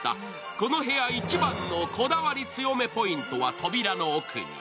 この部屋一番のこだわり強めポイントは扉の奥に。